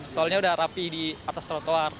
soalnya udah rapi di atas trotoar